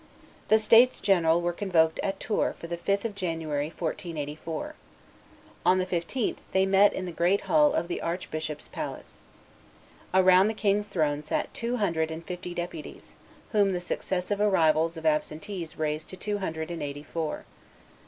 The states general were convoked at Tours for the 5th of January, 1484. On the 15th they met in the great hall of the arch bishop's palace. Around the king's throne sat two hundred and fifty deputies, whom the successive arrivals of absentees raised to two hundred and eighty four.